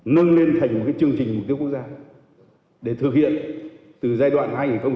nâng lên thành một chương trình mục tiêu quốc gia để thực hiện từ giai đoạn hai nghìn hai mươi một hai nghìn hai mươi năm